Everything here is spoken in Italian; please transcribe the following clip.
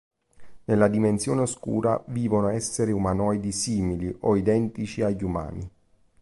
Nella Dimensione Oscura vivono esseri umanoidi simili o identici agli umani.